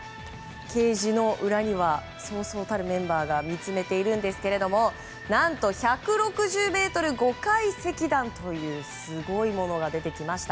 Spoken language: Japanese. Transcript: ケージの裏にはそうそうたるメンバーが見つめているんですけども何と１６０ｍ、５階席弾というすごいものが出てきました。